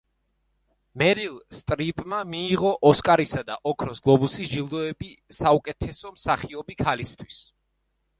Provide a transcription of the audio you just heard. მერილ სტრიპმა მიიღო ოსკარისა და ოქროს გლობუსის ჯილდოები საუკეთესო მსახიობი ქალისთვის.